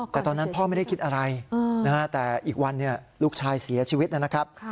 แต่ตอนนั้นพ่อไม่ได้คิดอะไรแต่อีกวันลูกชายเสียชีวิตนะครับ